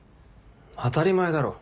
当たり前だろ。